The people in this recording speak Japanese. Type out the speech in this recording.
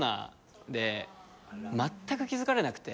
まったく気づかれなくて。